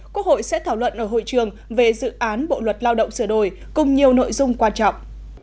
quốc hội sẽ thảo luận ở hội trường về dự án bộ luật lao động sửa đổi cùng nhiều nội dung quan trọng